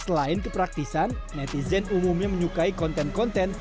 selain kepraktisan netizen umumnya menyukai konten konten